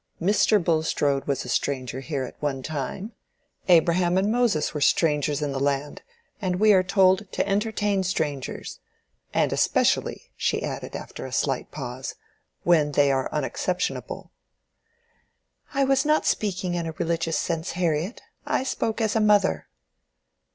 "Mr. Bulstrode was a stranger here at one time. Abraham and Moses were strangers in the land, and we are told to entertain strangers. And especially," she added, after a slight pause, "when they are unexceptionable." "I was not speaking in a religious sense, Harriet. I spoke as a mother."